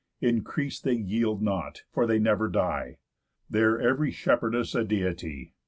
Increase they yield not, for they never die. There ev'ry shepherdess a Deity.